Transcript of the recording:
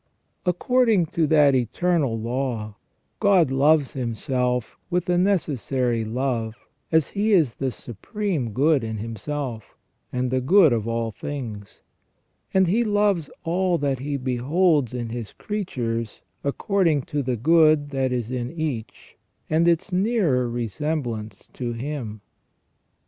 According to that eternal law God loves Himself with a necessary love as He is the Supreme Good in Himself, and the good of all things ; and He loves all that He beholds in His creatures accord ing to the good that is in each and its nearer resemblance to Him.